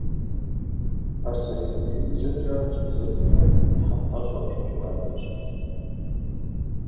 Пасэрей китаибзэмкӏэ ар зэбдзэкӏмэ, «тхьэмпэщӏэ» къикӏыу аращ.